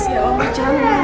ya allah jangan